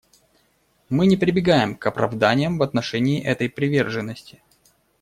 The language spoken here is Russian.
Мы не прибегаем к оправданиям в отношении этой приверженности.